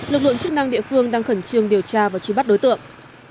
luật luận chức năng địa phương đang khẩn trương điều tra và truy bắt đối tượng